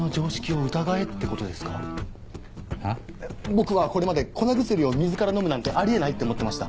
僕はこれまで粉薬を水から飲むなんてあり得ないって思ってました。